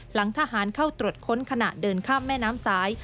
หลังทหารเข้าตรวจค้นขณะเดินข้ามแม่น้ำสาย